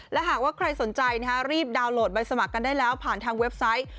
และหากว่าใครสนใจรีบดาวน์โหลดใบสมัครกันได้แล้วผ่านทางเว็บไซต์